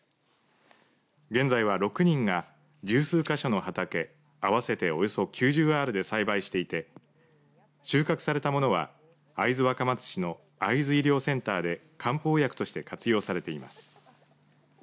現在は６人が十数か所の畑、合わせておよそ９０アールで栽培していて収穫されたものは会津若松市の会津医療センターで漢方薬として活用されています。